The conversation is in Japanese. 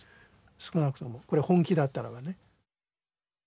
少なくともこれ本気だったらばね。